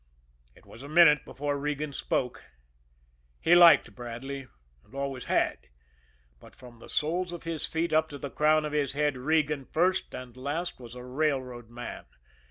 It was a minute before Regan spoke. He liked Bradley and always had; but from the soles of his feet up to the crown of his head, Regan, first and last, was a railroad man.